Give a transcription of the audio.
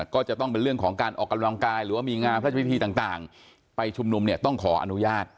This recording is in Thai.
ก็จะต้องเป็นเรื่องของการออกกำลังกายหรือว่ามีงานพระราชพิธีต่างไปชุมนุมเนี่ยต้องขออนุญาต